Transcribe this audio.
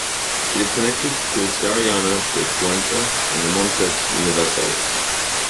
It is connected to the Serranía de Cuenca and the Montes Universales.